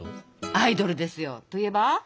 アイドルですよ。といえば？